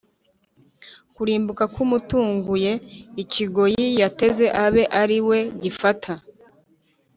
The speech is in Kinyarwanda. Kurimbuka kumutunguye, ikigoyi yateze abe ari we gifata